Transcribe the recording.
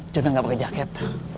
jangan gak pakai jaket